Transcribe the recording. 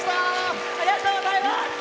ありがとうございます。